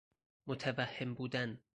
متوهم بودن